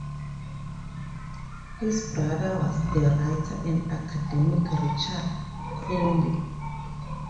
His brother was the writer and academic Richard Crawley.